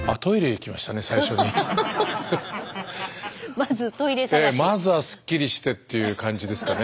まずはスッキリしてっていう感じですかね。